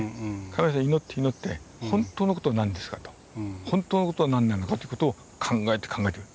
神様に祈って祈って本当の事は何ですかと本当の事は何なのかという事を考えて考えてる。